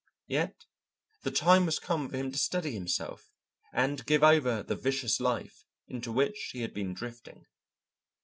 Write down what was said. Yes, the time was come for him to steady himself, and give over the vicious life into which he had been drifting.